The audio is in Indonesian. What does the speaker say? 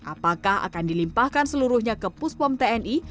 apakah akan dilimpahkan seluruhnya ke puspom tni